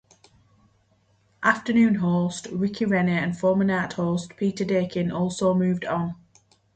Afternoon host Rick Rennie and former night host Peter Dakin also moved on.